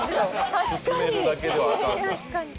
確かに。